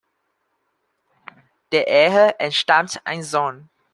Der Ehe entstammt ein Sohn.